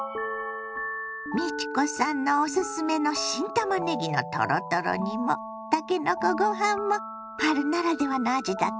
美智子さんのおすすめの新たまねぎのトロトロ煮もたけのこご飯も春ならではの味だったわねぇ。